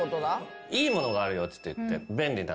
「いいものがあるよ」って言って便利な。